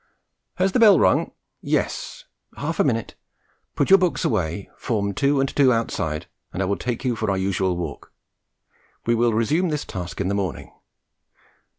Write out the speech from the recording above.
Has the bell rung? Yes, half a minute! Put your books away, form two and two outside, and I will take you for our usual walk. We will resume this task in the morning.